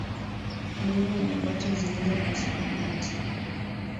Wanyama wenye kwato zilizopasuka kati